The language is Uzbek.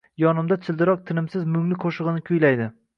Yonimda chirildoq tinimsiz mungli qo’shig’ini kuylaydi